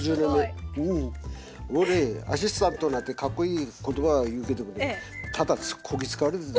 俺アシスタントなんてかっこいい言葉言うけどもねただこき使われてる。